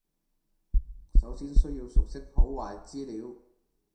首先需要熟悉好壞資料